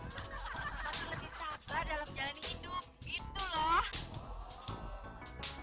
masih lebih sabar dalam menjalani hidup gitu loh